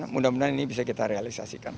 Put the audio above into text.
mudah mudahan ini bisa kita realisasikan